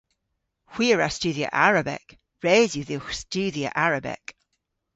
Hwi a wra studhya Arabek. Res yw dhywgh studhya Arabek.